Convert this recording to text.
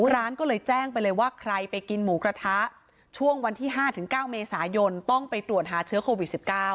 ร้านก็เลยแจ้งไปเลยว่าใครไปกินหมูกระทะช่วงวันที่๕๙เมษายนต้องไปตรวจหาเชื้อโควิด๑๙